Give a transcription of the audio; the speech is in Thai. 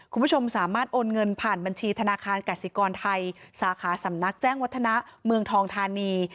คุณผู้ชมสามารถโอนเงินผ่านบัญชีธนาคารกสิกรไทยสาขาสำนักแจ้งวัฒนะเมืองทองธานี